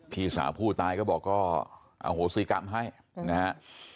พี่สาวผู้ตายก็บอกก็อโหสิกรรมให้นะฮะ